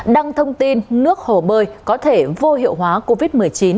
đăng thông tin nước hồ bơi có thể vô hiệu hóa covid một mươi chín